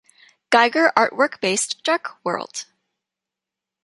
Giger artwork-based Dark World.